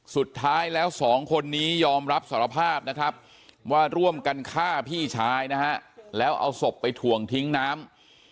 สุดท้ายแล้วสองคนนี้ยอมรับสารภาพนะครับว่าร่วมกันฆ่าพี่ชายนะฮะแล้วเอาศพไปถ่วงทิ้งน้ำ